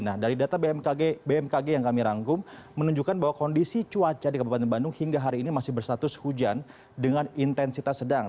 nah dari data bmkg yang kami rangkum menunjukkan bahwa kondisi cuaca di kabupaten bandung hingga hari ini masih bersatus hujan dengan intensitas sedang